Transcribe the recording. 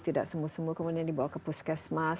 tidak sembuh sembuh kemudian dibawa ke puskesmas